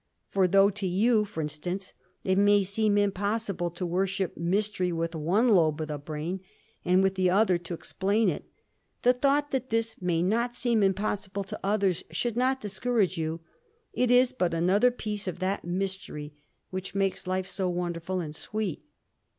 For though to you, for instance, it may seem impossible to worship Mystery with one lobe of the brain, and with the other to explain it, the thought that this may not seem impossible to others should not discourage you; it is but another little piece of that Mystery which makes life so wonderful and sweet."